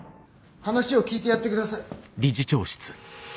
話を聞いてやって下さ。